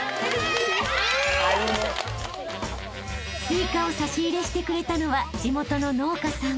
［スイカを差し入れしてくれたのは地元の農家さん］